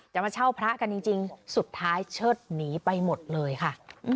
มาเช่าพระกันจริงสุดท้ายเชิดหนีไปหมดเลยค่ะ